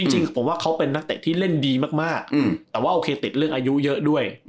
จริงผมว่าเขาเป็นนักเตะที่เล่นดีมากแต่ว่าโอเคติดเรื่องอายุเยอะด้วย